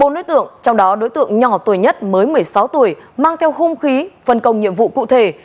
bốn đối tượng trong đó đối tượng nhỏ tuổi nhất mới một mươi sáu tuổi mang theo hung khí phân công nhiệm vụ cụ thể